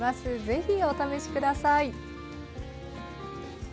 ぜひお試し下さい。